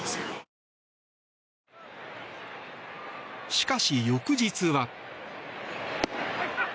しかし、翌日は。